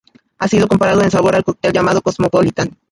Ha sido comparado en sabor al cóctel llamado Cosmopolitan.